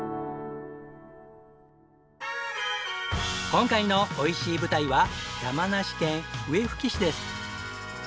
今回のおいしい舞台は山梨県笛吹市です。